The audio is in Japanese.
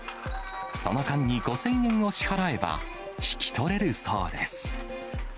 その間に５０００円を支払えば引き取れるそうです。